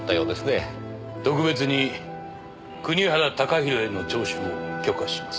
特別に国原貴弘への聴取を許可します。